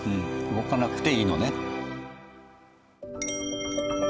動かなくていいのね。